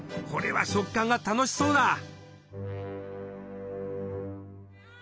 これは食感が楽しそうだ！